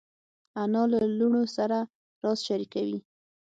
انا له لوڼو سره راز شریکوي